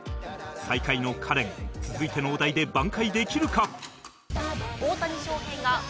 最下位のカレン続いてのお題で挽回できるか？